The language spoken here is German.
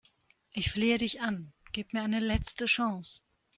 Ich flehe dich an, gib mir eine letzte Chance!